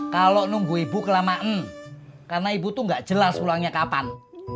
kalau nunggu ibu kelamaan karena ibu itu nggak jelas pulangnya kapan